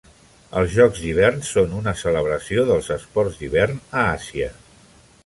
Els Jocs d'Hivern són una celebració dels esports d'hivern a Àsia.